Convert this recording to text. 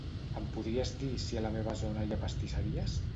Em podries dir si a la meva zona hi ha pastisseries?